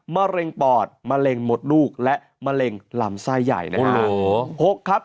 มะเร็งปอดมะเร็งหมดลูกและมะเร็งลำไส้ใหญ่นะครับ